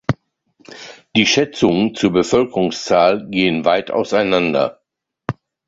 Die Schätzungen zur Bevölkerungszahl gehen weit auseinander.